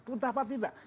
entah apa tidak